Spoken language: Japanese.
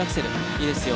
いいですよ。